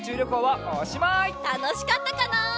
たのしかったかな？